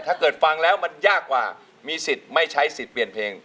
ถ้าเกิดฟังแล้วมันยากกว่ามีสิทธิ์ไม่ใช้สิทธิ์เปลี่ยนเพลง